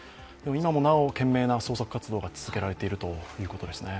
今もなお、懸命な捜索活動が続けられているということですね。